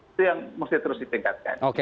itu yang mesti terus ditingkatkan